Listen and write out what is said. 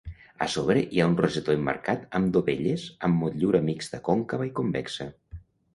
A sobre hi ha un rosetó emmarcat amb dovelles amb motllura mixta còncava i convexa.